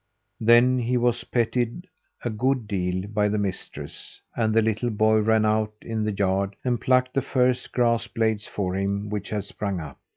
Then he was petted a good deal by the mistress, and the little boy ran out in the yard and plucked the first grass blades for him which had sprung up.